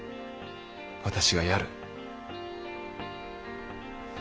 私がやる。